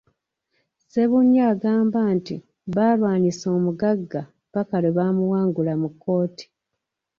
Ssebunya agamba nti baalwanyisa omugagga ppaka lwe baamuwangula mu kkooti.